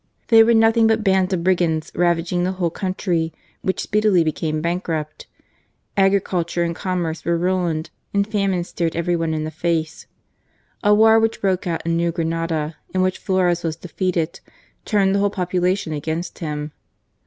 They were nothing but bands of brigands, ravaging the whole country, which speedily became bankrupt. Agriculture and 20 GARCIA MORENO, commerce were ruined, and famine stared every one in the face. A war which broke out with New Granada, in which Flores was defeated, turned the whole population against him.